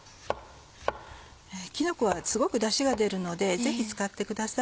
キノコはすごくダシが出るのでぜひ使ってください。